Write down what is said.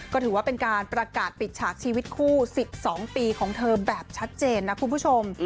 ก็ถือว่าเป็นการประกาศปิดฉากชีวิตคู่๑๒ปีของเธอแบบชัดเจนนะคุณผู้ชม